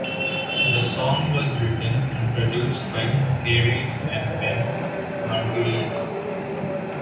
The song was written and produced by Carey and Ben Margulies.